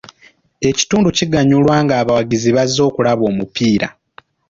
Ekitundu kiganyulwa ng'abawagizi bazze okulaba omupiira.